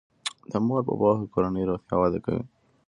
د مور په پوهه کورنی روغتیا وده کوي.